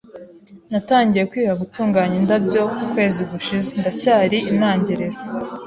Natangiye kwiga gutunganya indabyo ukwezi gushize, ndacyari intangiriro.